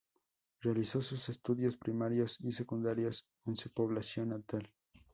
Realizó sus estudios primarios y secundarios en su población natal.